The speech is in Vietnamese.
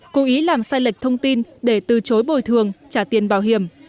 cố ý làm sai lệch thông tin để từ chối bồi thường trả tiền bảo hiểm